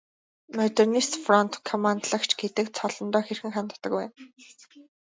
Модернист фронт командлагч гэдэг цолондоо хэрхэн ханддаг вэ?